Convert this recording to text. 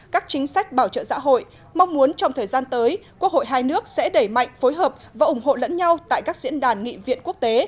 các chính sách bảo trợ xã hội mong muốn trong thời gian tới quốc hội hai nước sẽ đẩy mạnh phối hợp và ủng hộ lẫn nhau tại các diễn đàn nghị viện quốc tế